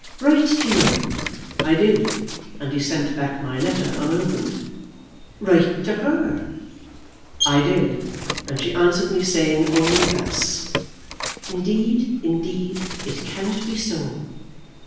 "Write to him." "I did, and he sent back my letter unopened." "Write to her." "I did; and she answered me, saying only thus; 'Indeed, indeed, it cannot be so.'